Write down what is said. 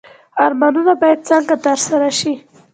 ارمانونه باید څنګه ترسره شي؟